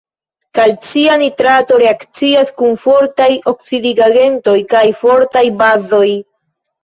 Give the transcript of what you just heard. Kalcia nitrato reakcias kun fortaj oksidigagentoj kaj fortaj bazoj.